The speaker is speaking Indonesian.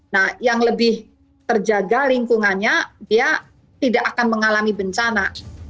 nah yang lebih terjaga lingkungannya dia tidak akan mengalami bencana